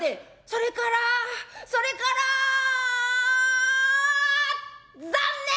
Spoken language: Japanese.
「それからそれから残念！